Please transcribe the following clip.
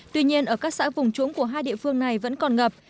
tuy nhiên ở các xã vùng trũng của hai địa phương này vẫn còn ngập